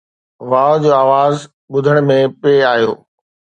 واءُ جو آواز ٻڌڻ ۾ پئي آيو